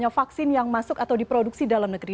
apakah ada vaksin yang masuk atau diproduksi dalam negeri